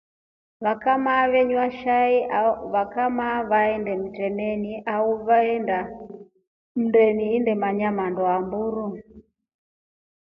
Vakamaa venenywa shai vakamaa veshinda matremeni au vakendaa mnendeni inemanya mando ya mburu.